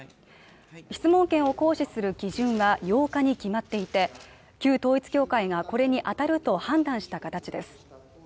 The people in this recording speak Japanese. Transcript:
質問権を行使する基準は８日に決まっていて旧統一教会がこれにあたると判断した形です